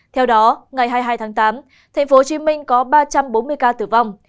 theo đó ngày hai mươi hai tháng tám tp hcm có ba trăm bốn mươi ca tử vong